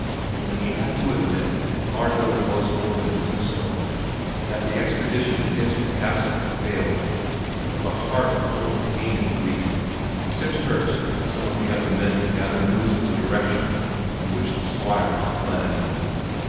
When he had to admit, hard though it was for him to do so, that the expedition against the castle had failed, with a heart full of pain and grief he sent Herse and some of the other men to gather news of the direction in which the Squire had fled.